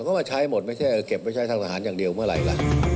ก็มาใช้หมดไม่ใช่เก็บไว้ใช้ทางทหารอย่างเดียวเมื่อไหร่ล่ะ